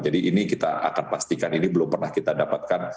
jadi ini kita akan pastikan ini belum pernah kita dapatkan